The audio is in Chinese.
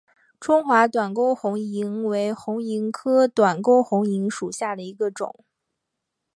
中华短沟红萤为红萤科短沟红萤属下的一个种。